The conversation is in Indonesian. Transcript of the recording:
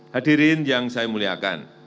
hadirin yang saya muliakan